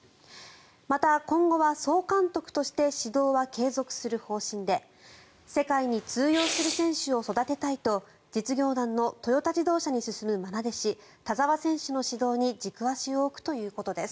また、今後は総監督として指導は継続する方針で世界に通用する選手を育てたいと実業団のトヨタ自動車に進むまな弟子田澤選手の指導に軸足を置くということです。